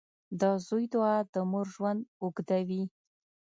• د زوی دعا د مور ژوند اوږدوي.